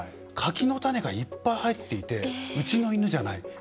柿の種がいっぱい入っていてうちの犬じゃない。